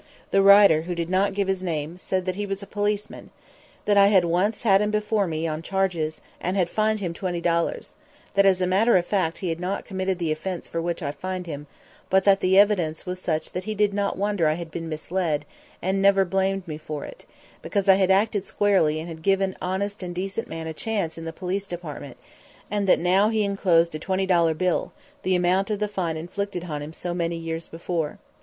The writer, who did not give his name, said that he was a policeman, that I had once had him before me on charges, and had fined him twenty dollars; that, as a matter of fact, he had not committed the offense for which I fined him, but that the evidence was such that he did not wonder that I had been misled, and never blamed me for it, because I had acted squarely and had given honest and decent men a chance in the Police Department; and that now he inclosed a twenty dollar bill, the amount of the fine inflicted on him so many years before.